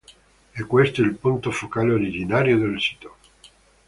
È questo il punto focale originario del sito.